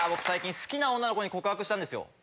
最近好きな女の子に告白したんですよ。